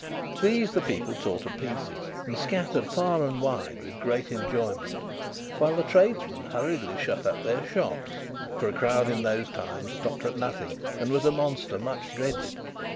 These, the people tore to pieces and scattered far and wide with great enjoyment, while the tradesmen hurriedly shut up their shops; for a crowd in those times stopped at nothing, and was a monster much dreaded.